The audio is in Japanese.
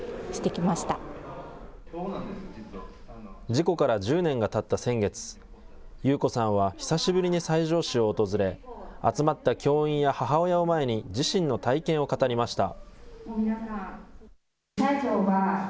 事故から１０年がたった先月、優子さんは久しぶりに西条市を訪れ、集まった教員や母親を前に、自身の体験を語りました。